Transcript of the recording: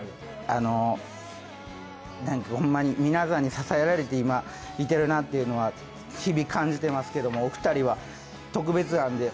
何か、ホンマに皆さんに支えられて今、いてるなっていうのは日々感じてますけどお二人は特別なんで。